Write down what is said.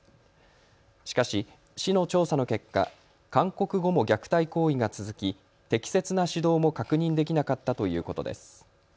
しかし市の調査の結果、勧告後も虐待行為が続き、適切な指導も確認できなかったということです。